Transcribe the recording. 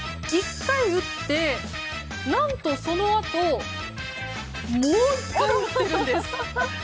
１回打って、何とそのあともう１回打ってるんです。